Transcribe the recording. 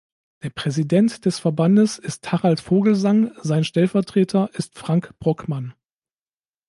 Der Präsident des Verbandes ist Harald Vogelsang, sein Stellvertreter ist Frank Brockmann.